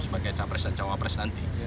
sebagai capres dan cawapres nanti